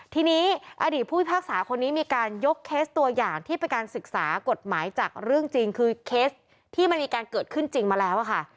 ทีนี้อดีตผู้พิพากษาคนนี้มีการยกเคสตัวอย่างที่เป็นการศึกษากฎหมายจากเรื่องจริงคือเคสที่มันมีการเกิดขึ้นจริงมาแล้วค่ะ